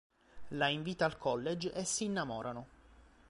La invita al college e si innamorano.